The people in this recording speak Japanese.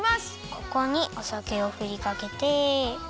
ここにおさけをふりかけて。